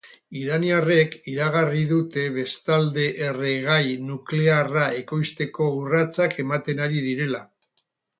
Iraniarrek iragarri dute bestalde errekai nuklearra ekoizteko urratsak ematen ari direla.